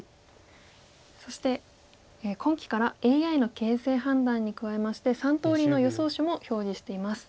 そして今期からＡＩの形勢判断に加えまして３通りの予想手も表示しています。